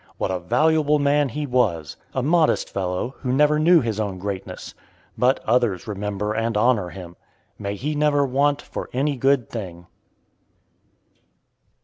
What a valuable man he was! A modest fellow, who never knew his own greatness. But others remember and honor him. May he never want for any good thing!